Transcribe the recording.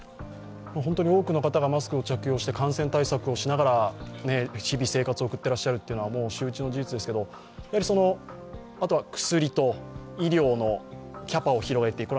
多くの方がマスクを着用して感染対策をしながら日々生活を送っていらっしゃるのは周知の事実ですけれども、あとは薬と医療のキャパを広げていく。